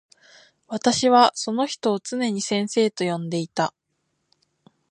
私はその人をつねに先生と呼んでいた。